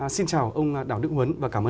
xin chào ông đào đức huấn và cảm ơn